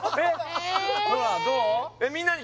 ほらどう？